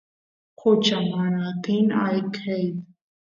kuchu mana atin ayqeyt